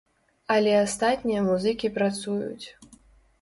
Але астатнія музыкі працуюць.